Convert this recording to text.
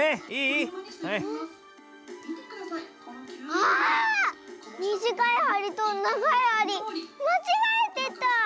ああっ⁉みじかいはりとながいはりまちがえてた！